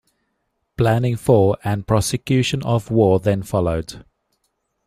Planning for and prosecution of war then followed.